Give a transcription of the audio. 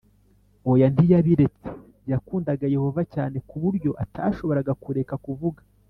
Oya ntiyabiretse Yakundaga Yehova cyane ku buryo atashoboraga kureka kuvuga